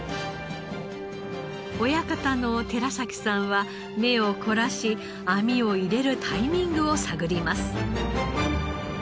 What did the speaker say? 親方の寺崎さんは目を凝らし網を入れるタイミングを探ります。